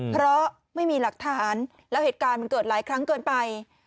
เพราะไม่มีหลักฐานแล้วเหตุการณ์มันเกิดหลายครั้งเกินไป